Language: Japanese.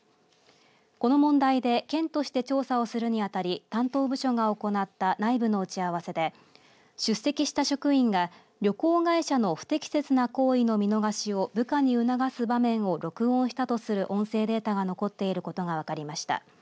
この問題で県として調査をするに当たり担当部署が行った内部の打ち合わせで出席した職員が旅行会社の不適切な行為の見逃しを部下に促す場面を録音したとする音声データが残っていることが分かりました。